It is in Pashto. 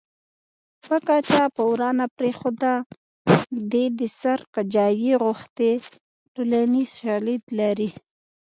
پکه چا په ورا نه پرېښوده دې د سر کجاوې غوښتې ټولنیز شالید لري